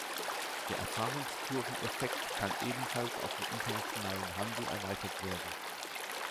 Der Erfahrungskurven-Effekt kann ebenfalls auf den internationalen Handel erweitert werden.